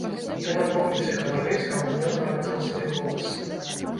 Ён адмовіўся гаварыць, каму пэўна аддаў свой голас.